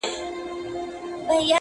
• له زندانه تر آزادۍ -